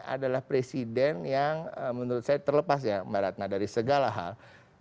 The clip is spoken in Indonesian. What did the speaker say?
adalah presiden yang menurut saya terlepas ya mbak ratna dari segala hal